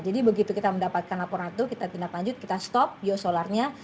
jadi begitu kita mendapatkan laporan itu kita tindak lanjut kita stop biosolarnya